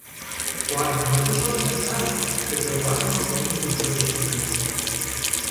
Къуаргъ нэхъыщӀэр лъэтащ, шэджагъуашхэм фӀэмыкӀыу лы къихьыну.